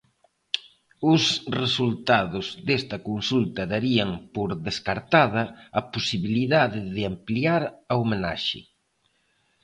Os resultados desta consulta darían por "descartada" a posibilidade de ampliar a homenaxe.